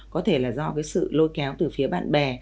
có thể là do cái sự lôi kéo từ phía bạn bè